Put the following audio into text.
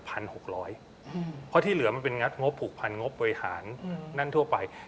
เพราะที่เหลือมันเป็นงัดงบผูกพันงบบริหารนั่นทั่วไป